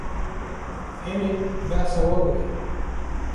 Em ê behsa wan bikin